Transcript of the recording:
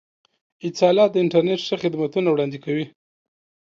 اتصالات د انترنت ښه خدمتونه وړاندې کوي.